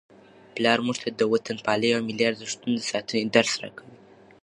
پلار موږ ته د وطنپالنې او ملي ارزښتونو د ساتنې درس راکوي.